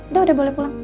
udah udah boleh pulang